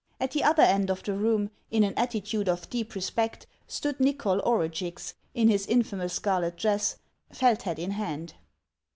At the other end of the room, in an attitude of deep respect, stood Xychol Orugix in his infamous scarlet dress, felt hat in hand.